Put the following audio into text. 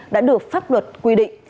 đã được pháp luật quy định